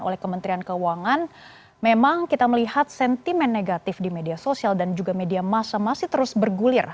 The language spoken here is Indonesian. oleh kementerian keuangan memang kita melihat sentimen negatif di media sosial dan juga media masa masih terus bergulir